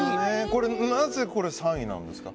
これ、なぜ３位なんですか？